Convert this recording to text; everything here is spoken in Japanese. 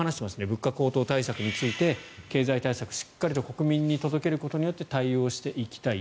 物価高騰対策について経済対策をしっかりと国民に届けることによって対応していきたい。